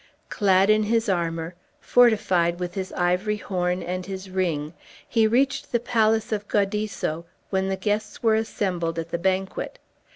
Clad in his armor, fortified with his ivory horn and his ring, he reached the palace of Gaudisso when the guests were assembled at the banquet.